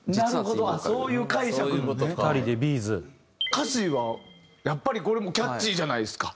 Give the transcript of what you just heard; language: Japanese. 歌詞はやっぱりこれもキャッチーじゃないですか。